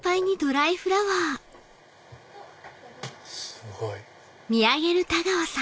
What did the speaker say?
すごい。